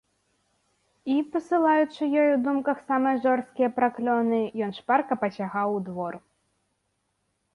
І, пасылаючы ёй у думках самыя жорсткія праклёны, ён шпарка пасягаў у двор.